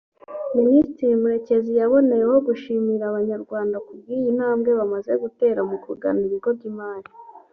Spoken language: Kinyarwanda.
Minisitiri Murekezi yaboneyeho gushimira Abanyarwanda ku bw’iyi ntambwe bamaze gutera mu kugana ibigo by’imari